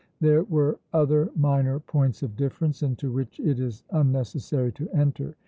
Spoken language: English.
There were other minor points of difference, into which it is unnecessary to enter.